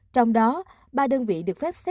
trong đó ba đơn vị được phép xét nghiệm